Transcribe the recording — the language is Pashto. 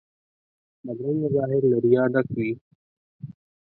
بدرنګه ظاهر له ریا ډک وي